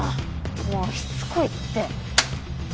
もうしつこいって。